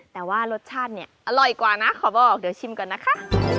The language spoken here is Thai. แต่ว่ารสชาติเนี่ยอร่อยกว่านะขอบอกเดี๋ยวชิมก่อนนะคะ